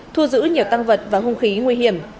thu giữ nhiều tăng vật và hung khí nguy hiểm